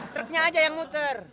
truknya aja yang muter